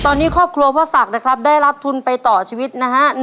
ตอนนี้ครอบครัวพ่อศักดิ์นะครับได้รับทุนไปต่อชีวิตนะฮะ